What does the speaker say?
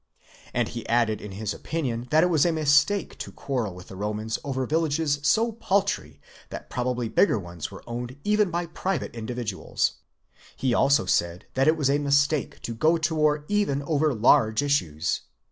And he added his opinion, that it was a mistake to quarrel with 'the Romans over villages so paltry that probably bigger ones were owned even by private individuals ; he also said that it was a mistake to go to war even over large issues.